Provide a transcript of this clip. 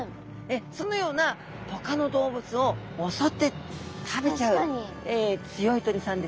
そのようなほかの動物を襲って食べちゃう強い鳥さんですね。